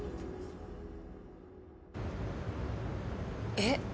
えっ！？